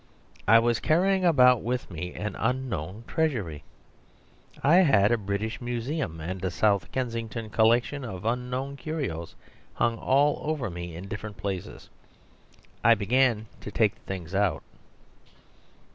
I was carrying about with me an unknown treasury. I had a British Museum and a South Kensington collection of unknown curios hung all over me in different places. I began to take the things out.